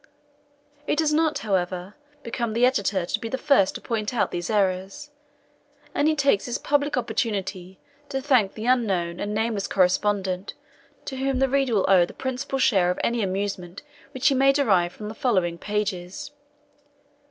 It does not, however, become the Editor to be the first to point out these errors; and he takes this public opportunity to thank the unknown and nameless correspondent, to whom the reader will owe the principal share of any amusement which he may derive from the following pages.